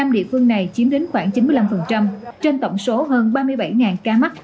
năm địa phương này chiếm đến khoảng chín mươi năm trên tổng số hơn ba mươi bảy ca mắc